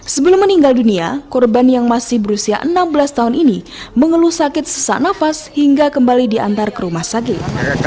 sebelum meninggal dunia korban yang masih berusia enam belas tahun ini mengeluh sakit sesak nafas hingga kembali diantar ke rumah sakit